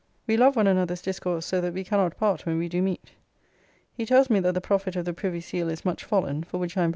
We love one another's discourse so that we cannot part when we do meet. He tells me that the profit of the Privy Seal is much fallen, for which I am very sorry.